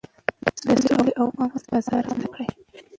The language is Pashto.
د سولې او امن فضا رامنځته کړئ.